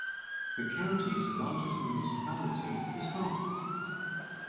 The county's largest municipality is Hartford.